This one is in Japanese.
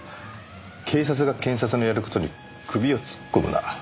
警察が検察のやる事に首を突っ込むな。